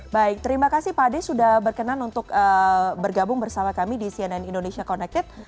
baik terima kasih pak ade sudah berkenan untuk bergabung bersama kami di cnn indonesia connected